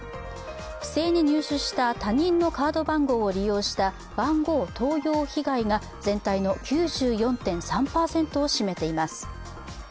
不正に入手した他人のカード番号を利用した番号盗用被害が全体の９４．３％を占めています。